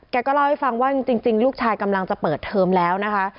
ก็เล่าให้ฟังว่าจริงลูกชายกำลังจะเปิดเทอมแล้วนะคะ